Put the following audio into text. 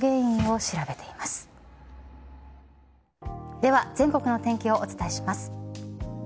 では全国の天気をお伝えします。